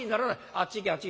あっち行けあっち。